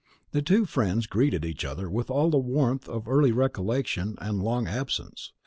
The two friends greeted each other with all the warmth of early recollection and long absence.